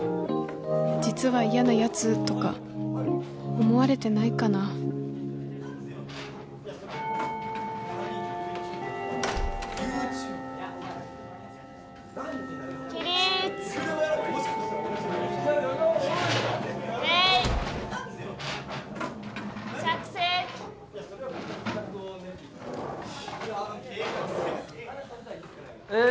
実は嫌なヤツとか思われてないかな起立礼着席え